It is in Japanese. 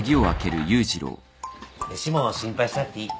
飯も心配しなくていい。